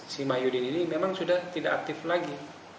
si mahyudin ini memang sudah tidak aktif lagi